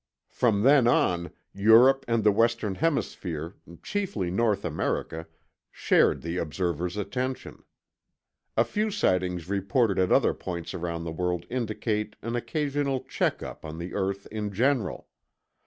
From then on, Europe and the Western Hemisphere, chiefly North America, shared the observers' attention. The few sightings reported at other points around the world indicate an occasional check up on the earth in general.